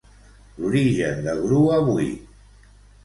L'origen de Gru avui.